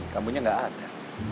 kamunya gak ada